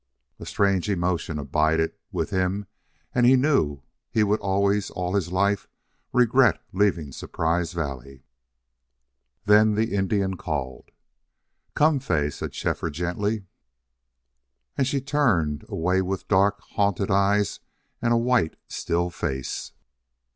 A strange emotion abided with him and he knew he would always, all his life, regret leaving Surprise Valley. Then the Indian called. "Come, Fay," said Shefford, gently. And she turned away with dark, haunted eyes and a white, still face.